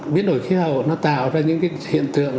biến đổi khí hậu nó tạo ra những cái hiện tượng